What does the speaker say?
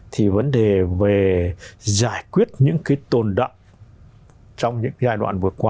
thì vấn đề về giải quyết những cái tồn đậm trong những giai đoạn vừa qua